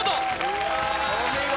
お見事！